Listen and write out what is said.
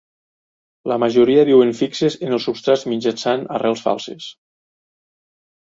La majoria viuen fixes en els substrats mitjançant arrels falses.